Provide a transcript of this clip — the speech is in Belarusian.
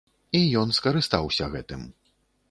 І ён скарыстаўся гэтым.